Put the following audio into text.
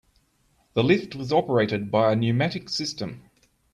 The lift was operated by a pneumatic system.